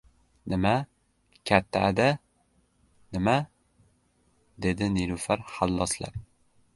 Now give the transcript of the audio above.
Nima, katta ada, nima? - dedi Nilufar halloslab.